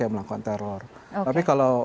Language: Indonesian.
yang melakukan teror tapi kalau